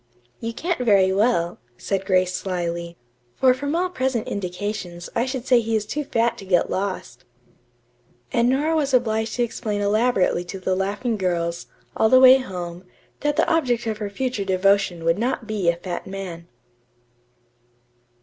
"You can't very well," said Grace slyly, "for from all present indications I should say that he is too fat to get lost." And Nora was obliged to explain elaborately to the laughing girls, all the way home, that the object of her future devotion would not be a fat man.